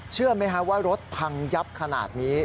เชื่อไหมฮะว่ารถพังยับขนาดนี้